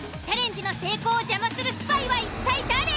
チャレンジの成功を邪魔するスパイは一体誰？